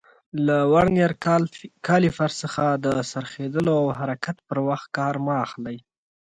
له ورنیر کالیپر څخه د څرخېدلو او حرکت پر وخت کار مه اخلئ.